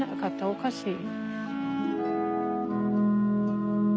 おかしい。